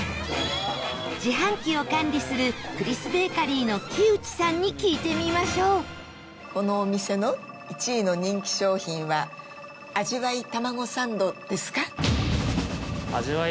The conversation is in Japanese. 自販機を管理するクリスベーカーリーの木内さんに聞いてみましょうこのお店の１位の人気商品は味わいたまごサンドですか？